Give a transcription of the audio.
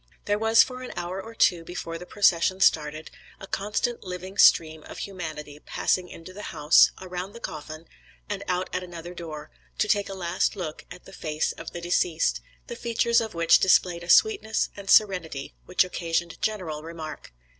There was for an hour or two before the procession started, a constant living stream of humanity passing into the house, around the coffin, and out at another door, to take a last look at the face of the deceased, the features of which displayed a sweetness and serenity which occasioned general remark.